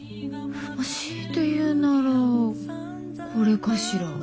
強いて言うならこれかしら。